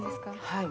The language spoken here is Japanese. はい。